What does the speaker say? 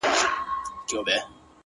دا خواركۍ راپسي مه ږغوه.!